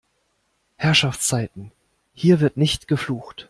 Herrschaftszeiten, hier wird nicht geflucht!